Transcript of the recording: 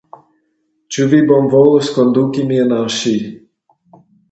Ĉu vi bonvolos konduki min al ŝi?